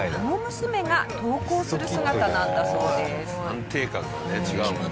安定感がね違うもんね。